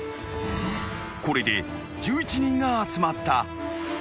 ［これで１１人が集まった］